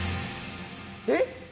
えっ？